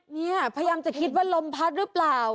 เนี่ยพยายามจะคิดว่าลมพัดหรือเปล่า